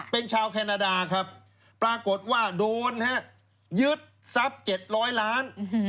เป็นชาวแคนาดาครับปรากฏว่าโดนฮะยึดทรัพย์๗๐๐ล้าน